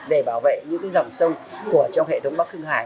để bảo vệ những cái dòng sông của trong hệ thống bắc khương hải